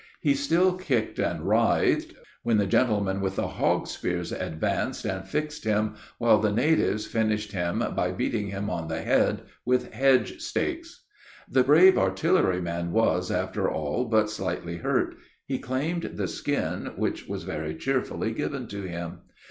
He still kicked and writhed; when the gentlemen with the hog spears advanced, and fixed him, while the natives finished him, by beating him on the head with hedge stakes. The brave artillery man was, after all, but slightly hurt: he claimed the skin, which was very cheerfully given to him.